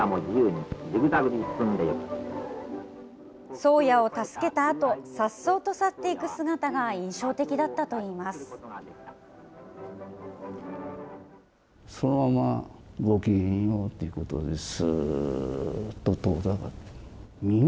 宗谷を助けたあと、さっそうと去っていく姿が印象的だったといいます。